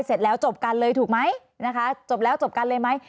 เสร็จแล้วจบกันเลยถูกไหมนะคะจบแล้วจบกันเลยไหม